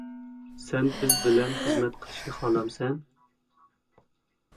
-سەن بىز بىلەن خىزمەت قىلىشنى خالامسەن؟